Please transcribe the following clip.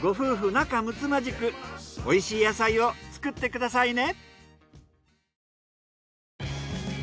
仲睦まじくおいしい野菜を作ってくださいね。